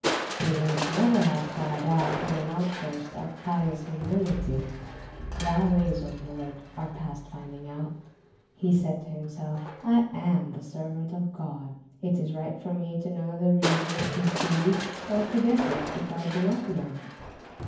He would never have cried out in an outburst of pious humility: "Thy ways, O Lord, are past finding out." He said to himself: "I am the servant of God; it is right for me to know the reason of His deeds, or to guess it if I do not know it."